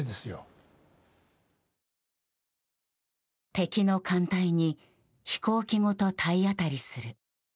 敵の艦隊に飛行機ごと体当たりする。